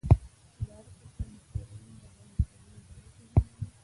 زاړه کسان د کورنۍ د غړو ترمنځ اړیکې جوړوي